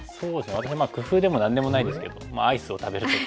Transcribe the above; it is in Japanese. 私工夫でも何でもないですけどアイスを食べるとか。